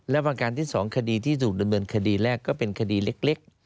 และประการที่๒คดีที่ถูกดำเนินคดีแรกก็เป็นคดีเล็ก